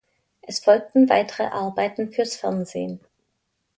Es folgten weitere Arbeiten fürs Fernsehen.